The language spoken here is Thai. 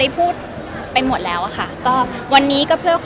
ได้โทรไปได้โทรกับได้คุย